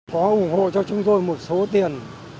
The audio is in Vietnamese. có ủng hộ cho chúng tôi một số tiền